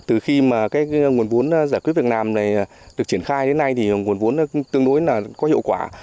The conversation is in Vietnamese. từ khi mà cái nguồn vốn giải quyết việt nam này được triển khai đến nay thì nguồn vốn tương đối là có hiệu quả